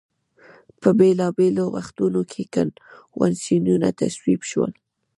بیا په بېلا بېلو وختونو کې کنوانسیونونه تصویب شول.